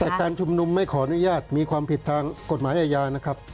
แต่การชุมนุมไม่ขออนุญาตมีความผิดทางกฎหมายอาญานะครับ